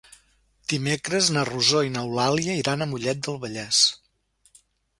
Dimecres na Rosó i n'Eulàlia iran a Mollet del Vallès.